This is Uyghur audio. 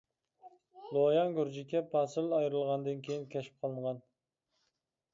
لوياڭ گۈرجىكى پاسىل ئايرىلغاندىن كىيىن كەشىپ قىلىنغان.